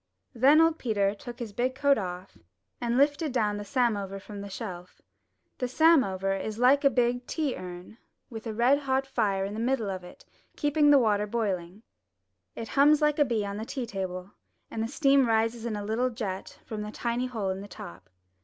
Then old Peter took his big coat off and lifted down 219 MY BOOK HOUSE the samovar from the shelf. The samovar is Hke a big tea urn, with a red hot fire in the middle of it keeping the water boiling. It hums like a bee on the tea table, and the steam rises in a little jet from a tiny hole in the top.